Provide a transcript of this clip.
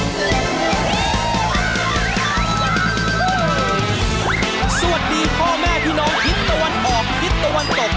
สวัสดีพ่อแม่พี่น้องทิศตะวันออกทิศตะวันตก